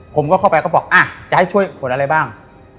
ผมก็เข้าไปก็บอกจะให้ช่วยขนอะไรบ้าง